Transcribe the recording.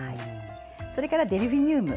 それから、デルフィニウム。